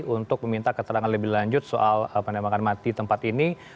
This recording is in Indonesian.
untuk meminta keterangan lebih lanjut soal penembakan mati tempat ini